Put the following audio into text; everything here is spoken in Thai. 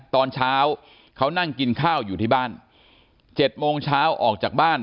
ตอนเช้าเขานั่งกินข้าวอยู่ที่บ้าน๗โมงเช้าออกจากบ้าน